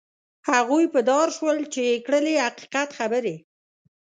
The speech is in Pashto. هغوی په دار شول چې یې کړلې حقیقت خبرې.